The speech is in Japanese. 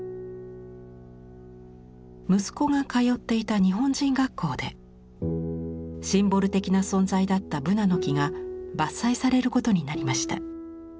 息子が通っていた日本人学校でシンボル的な存在だったブナの木が伐採されることになりました。